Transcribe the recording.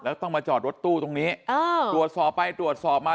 แล้วต้องมาจอดรถตู้ตรงนี้ตรวจสอบไปตรวจสอบมา